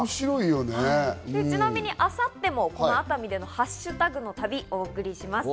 ちなみに明後日もこの熱海でのハッシュタグの旅をお送りします。